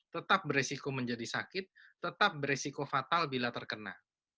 tetap beresiko menjadi sakit tetap beresiko fatal bila terkena